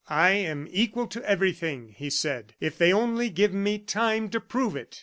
"I am equal to everything," he said, "if they only give me time to prove it!"